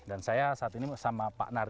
dan saya saat ini bersama pak nardi